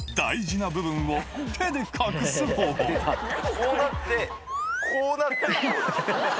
こうなってこうなってこう。